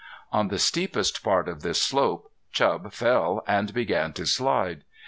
On the steepest part of this slope Chub fell and began to slide.